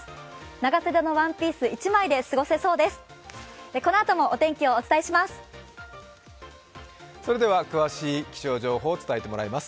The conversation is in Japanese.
長袖のワンピース１枚で過ごせそうです。